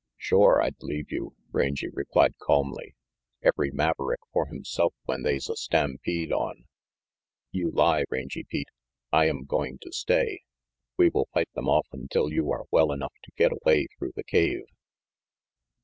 "Shore, I'd leave you," Rangy replied calmly. "Every maverick for himself when they's a stampede on" "You lie, Rangy Pete. I am going to stay. We will fight them off until you are well enough to get away through the cave."